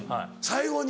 最後に。